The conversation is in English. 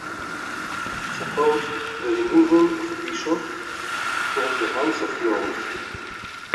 He supported the removal of bishops from the House of Lords.